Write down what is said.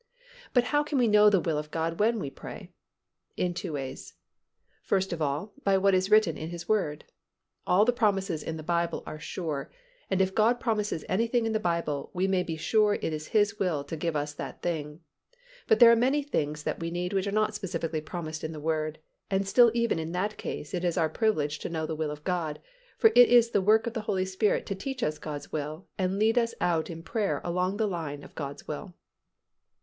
But how can we know the will of God when we pray? In two ways: First of all, by what is written in His Word; all the promises in the Bible are sure and if God promises anything in the Bible, we may be sure it is His will to give us that thing; but there are many things that we need which are not specifically promised in the Word and still even in that case it is our privilege to know the will of God, for it is the work of the Holy Spirit to teach us God's will and lead us out in prayer along the line of God's will.